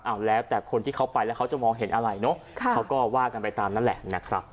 เอาแล้วแต่คนที่เขาไปแล้วเขาจะมองเห็นอะไรเนอะเขาก็ว่ากันไปตามนั้นแหละนะครับ